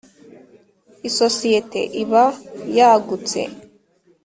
Isosiyete iba yagutse.